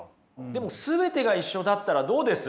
でも全てが一緒だったらどうです？